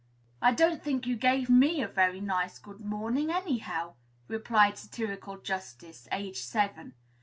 "I don't think you gave me a very nice 'good morning,' anyhow," replied satirical justice, aged seven.